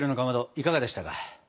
いかがでしたか？